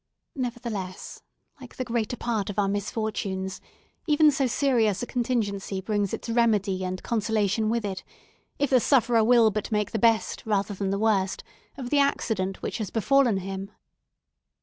Nevertheless, like the greater part of our misfortunes, even so serious a contingency brings its remedy and consolation with it, if the sufferer will but make the best rather than the worst, of the accident which has befallen him.